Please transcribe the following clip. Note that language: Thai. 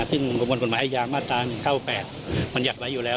ซึ่งประมวลกฎหมายอาญามาตรา๑๙๘บรรยัติไว้อยู่แล้ว